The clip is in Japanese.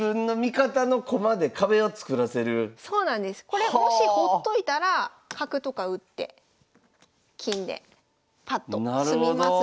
これもしほっといたら角とか打って金でパッとなるほど！